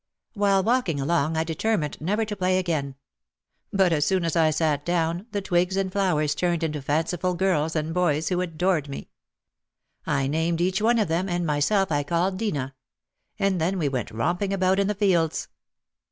While walking along I determined never to play again. But as soon as I sat down, the twigs and flowers turned into fanciful girls and boys who adored me. I named each one of them and myself I called Dena. And then we went romping about in the fields.